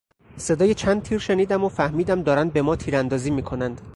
صدای چند تیر شنیدم و فهمیدم دارند به ما تیراندازی میکنند.